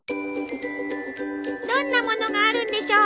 どんなものがあるんでしょう？